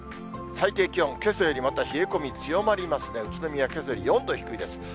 最低気温、けさよりまた冷え込み強まりますね、宇都宮、けさより４度低いです。